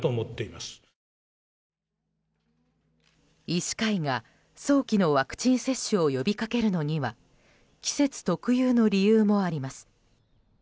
医師会が早期のワクチン接種を呼びかけるのには季節特有の理由もあります。